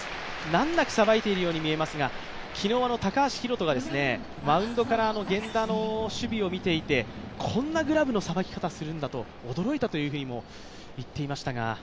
なんなくさばいてるように見えますが昨日の高橋宏斗がマウンドから源田の守備を見ていてこんなグラブのさばきかたをするのかというふうに驚いたというふうにも言っていましたが。